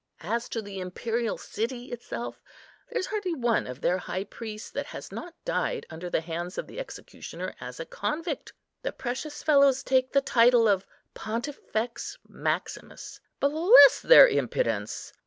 As to the imperial city itself, there's hardly one of their high priests that has not died under the hands of the executioner, as a convict. The precious fellows take the title of Pontifex Maximus; bless their impudence!